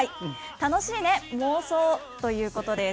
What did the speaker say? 楽しいね、妄想ということです。